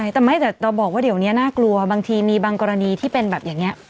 แต่ไม่แต่เราบอกว่าเดี๋ยวนี้น่ากลัวบางทีมีบางกรณีที่เป็นแบบอย่างนี้